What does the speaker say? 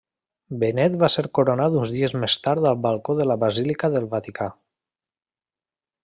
Benet va ser coronat uns dies més tard al balcó de la basílica del Vaticà.